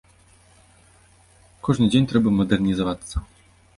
Кожны дзень трэба мадэрнізавацца.